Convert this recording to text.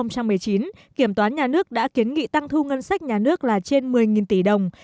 năm hai nghìn một mươi chín kiểm toán nhà nước đã kiến nghị tăng thu ngân sách nhà nước là trên một mươi tỷ đồng